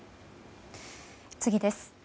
次です。